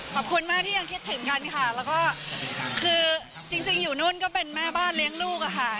ขอบคุณมากที่ยังคิดถึงกันค่ะแล้วก็คือจริงอยู่นู่นก็เป็นแม่บ้านเลี้ยงลูกอะค่ะ